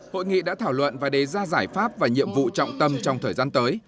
hội nghị đã thảo luận và đề ra giải pháp và nhiệm vụ trọng tâm trong thời gian tới